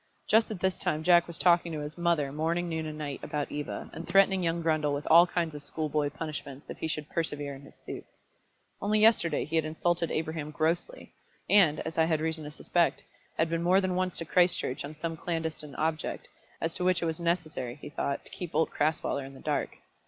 Just at this time Jack was talking to his mother, morning, noon, and night, about Eva, and threatening young Grundle with all kinds of schoolboy punishments if he should persevere in his suit. Only yesterday he had insulted Abraham grossly, and, as I had reason to suspect, had been more than once out to Christchurch on some clandestine object, as to which it was necessary, he thought, to keep old Crasweller in the dark.